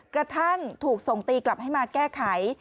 กระทั่งถูกส่งตีกลับให้มาแก้ไข